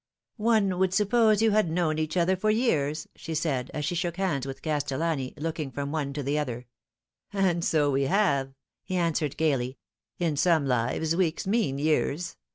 " One would suppose you had known each other for years," she said, as she shook hands with Castellani, looking from one to the other. " And so we have,' ' he answered gaily. '* In some lives weeks mean years.